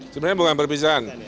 sebenarnya bunga perpisahan